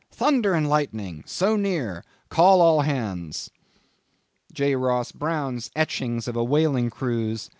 "Thunder and lightning! so near! Call all hands." —J. Ross Browne's Etchings of a Whaling Cruize.